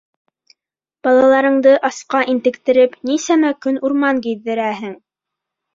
Балаларыңды асҡа интектереп, нисәмә көн урман ғиҙҙерәһең!